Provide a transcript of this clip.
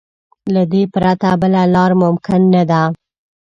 له دې پرته بله لار ممکن نه ده.